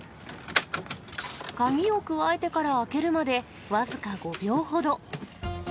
鍵をくわえてから開けるまで、僅か５秒ほど。